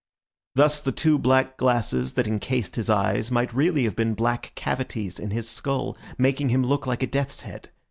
Thus the two black glasses that encased his eyes might really have been black cavities in his skull, making him look like a death's head.